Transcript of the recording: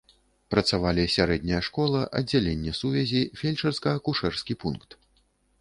Працавалі сярэдняя школа, аддзяленне сувязі, фельчарска-акушэрскі пункт.